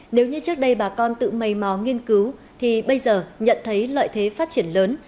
nếu như trước đây bà con tự mây mò nghiên cứu thì bây giờ nhận thấy lợi thế phát triển lớn